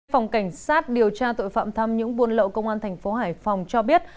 phòng cảnh sát điều tra tội phạm thăm những buôn lậu công an thành phố hải phòng cho biết